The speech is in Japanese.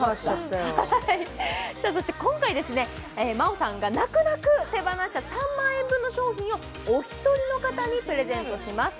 今回、真央さんが泣く泣く手放した３万円分の商品をお一人の方にプレゼントします。